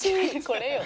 これよ。